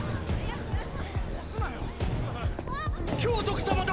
教督様だ！